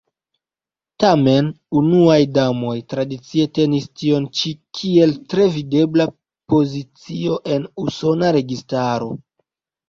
Tamen, unuaj damoj tradicie tenis tion ĉi kiel tre videbla pozicio en Usona registaro.